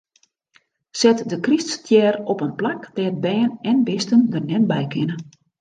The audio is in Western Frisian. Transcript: Set de kryststjer op in plak dêr't bern en bisten der net by kinne.